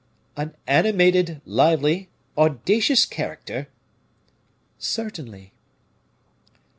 "An animated, lively, audacious character." "Certainly."